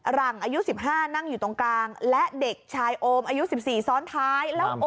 หลังอายุ๑๕นั่งอยู่ตรงกลางและเด็กชายโอมอายุ๑๔ซ้อนท้าย